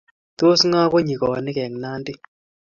tos ng'o ko nyikonik eng' Nandi?